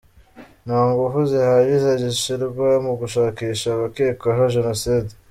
Nta ngufu zihagije zishirwa mu gushakisha abakekwaho Jenoside.